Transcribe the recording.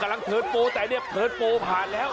อ๋อกำลังเทิดโปรแต่เนี่ยเทิดโปรผ่านแล้ว